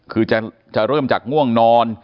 คือจะเริ่มจากง่วงนอน